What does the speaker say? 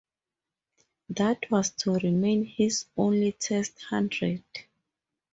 That was to remain his only Test hundred.